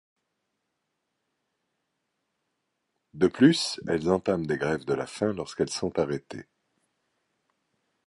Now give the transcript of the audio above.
De plus, elles entament des grèves de la faim lorsqu'elles sont arrêtées.